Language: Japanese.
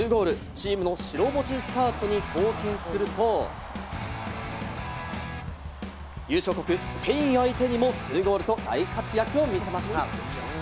チームの白星スタートに貢献すると、優勝国・スペイン相手にも２ゴールと大活躍を見せました。